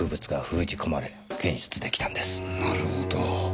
なるほど。